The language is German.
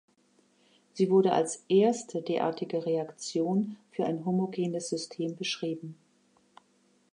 Sie wurde als erste derartige Reaktion für ein homogenes System beschrieben.